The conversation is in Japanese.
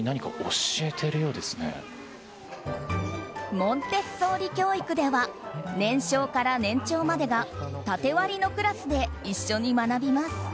モンテッソーリ教育では年少から年長までが縦割りのクラスで一緒に学びます。